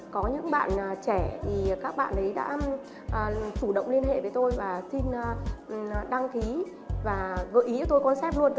có những bạn trẻ thì các bạn ấy đã chủ động liên hệ với tôi và xin đăng ký và gợi ý cho tôi quan sát luôn